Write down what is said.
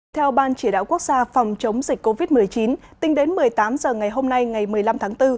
theo ban chỉ đạo quốc gia phòng chống dịch covid một mươi chín tính đến một mươi tám h ngày hôm nay ngày một mươi năm tháng bốn